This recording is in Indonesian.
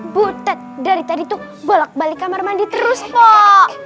bu ted dari tadi tuh bolak balik kamar mandi terus pok